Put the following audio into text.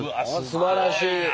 すばらしい。